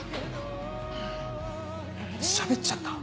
しゃべっちゃった？